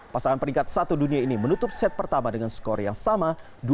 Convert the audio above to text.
pasangan peringkat satu dunia ini menutup set pertama dengan skor yang sama dua satu